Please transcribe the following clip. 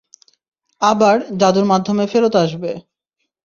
আবার যাদুর মাধ্যমে ফেরত আসবে।